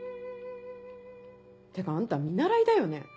てかあんた見習いだよね？